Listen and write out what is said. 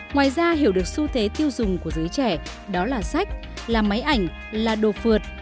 ngoài ra hiểu được xu thế tiêu dùng của giới trẻ đó là sách là máy ảnh là đồ phượt